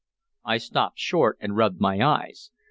I stopped short and rubbed my eyes.